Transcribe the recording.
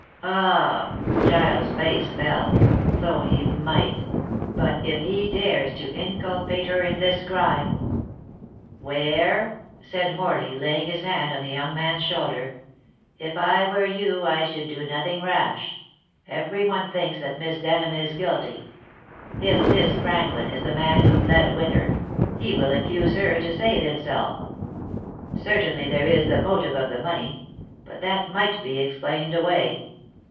"Ah!" Giles' face fell. "So he might; but if he dares to inculpate her in this crime " "Ware," said Morley, laying his hand on the young man's shoulder, "if I were you I should do nothing rash. Every one thinks that Miss Denham is guilty. If this Franklin is the man who fled with her, he will accuse her to save himself. Certainly there is the motive of the money, but that might be explained away."